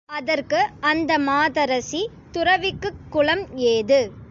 அதற்கு அந்த மாதரசி, துறவிக்குக் குலம் ஏது?